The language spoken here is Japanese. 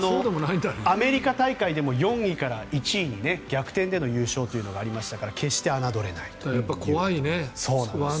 アメリカ大会でも４位から１位に逆転での優勝というのがありましたから怖いね。